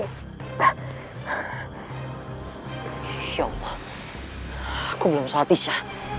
ya allah aku belum salat isya